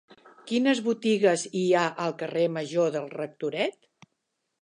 Quines botigues hi ha al carrer Major del Rectoret?